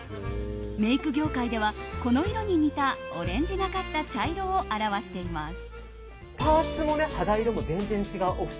メイク業界では、この色に似たオレンジがかった茶色を表しています。